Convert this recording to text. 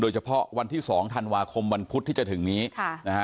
เฉพาะวันที่๒ธันวาคมวันพุธที่จะถึงนี้ค่ะนะฮะ